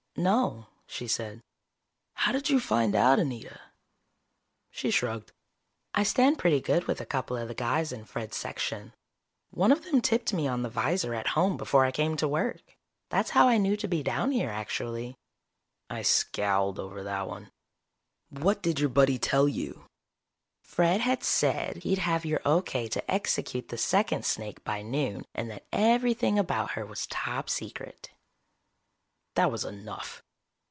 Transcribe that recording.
"No," she said. "How did you find out, Anita?" She shrugged. "I stand pretty good with a couple of the guys in Fred's section. One of them tipped me on the 'visor at home before I came to work. That's how I knew to be down here, actually." I scowled over that one. "What did your buddy tell you?" "Fred had said he'd have your O.K. to execute the second snake by noon and that everything about her was top secret." That was enough.